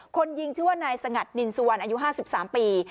คนยิงชื่อว่านายสงัดนินสุวรรค์อายุห้าสิบสามปี